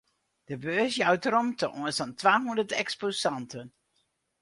De beurs jout romte oan sa'n twahûndert eksposanten.